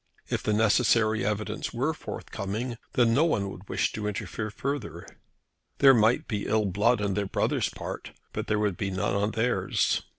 If the necessary evidence were forthcoming, then no one would wish to interfere further. There might be ill blood on their brother's part, but there would be none on theirs.